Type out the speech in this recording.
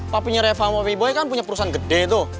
papinya reva sama wee boy kan punya perusahaan gede tuh